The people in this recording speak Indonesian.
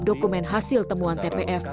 dokumen hasil temuan tpf